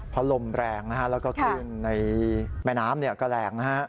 เพราะลมแรงแล้วก็ขึ้นในแม่น้ำก็แรง